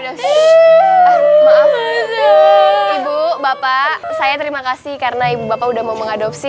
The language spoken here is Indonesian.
ibu bapak saya terima kasih karena ibu bapak udah mau mengadopsi